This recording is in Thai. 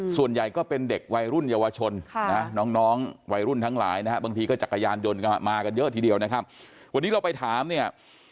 ส่วนใหญ่ก็เป็นเด็กวัยรุ่นเยาวชนน้องวัยรุ่นทั้งหลายนะฮะบางทีก็จักรยานยนต์ก็มากันเยอะทีเดียวนะครับวันนี้เราไปถามเนี่ย